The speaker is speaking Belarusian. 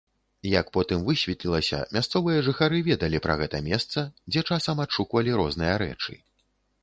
Як потым высветлілася, мясцовыя жыхары ведалі пра гэта месца, дзе часам адшуквалі розныя рэчы.